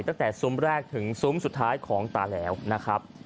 ซุ้มแรกถึงซุ้มสุดท้ายของตาแล้วนะครับ